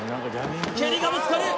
蹴りがぶつかる！